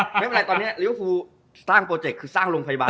โฮ้ยไม่เป็นไรวันนี้ริ้วผล๋วว่าสร้างโปรเจคคือสร้างโรงพยาบาล